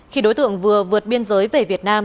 khi đối tượng vừa vượt biên giới về việt nam